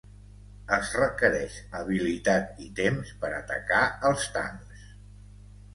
Es requereix habilitat i temps per atacar els tancs.